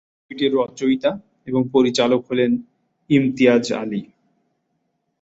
ছবিটির রচয়িতা এবং পরিচালক হলেন ইমতিয়াজ আলী।